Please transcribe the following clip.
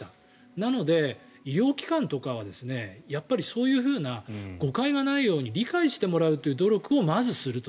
なので、医療機関とかはやっぱりそういうような誤解がないように理解してもらうという努力をまず、すると。